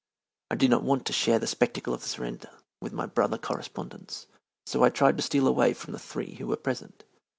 I did not want to share the spectacle of the surrender with my brother correspondents, so I tried to steal away from the three who were present.